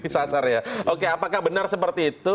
sasar ya oke apakah benar seperti itu